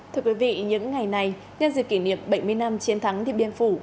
thưa quý vị những ngày này nhân dịp kỷ niệm bảy mươi năm chiến thắng điện biên phủ